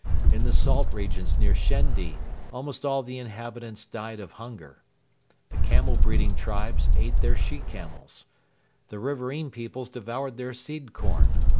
In the salt regions near Shendi almost all the inhabitants died of hunger. The camel breeding tribes ate their she camels. The riverain peoples devoured their seed corn.